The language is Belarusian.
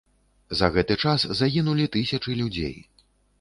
За гэты час загінулі тысячы людзей.